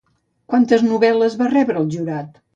Quantes novel·les va rebre el jurat?